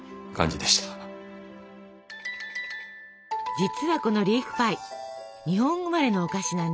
実はこのリーフパイ日本生まれのお菓子なんです。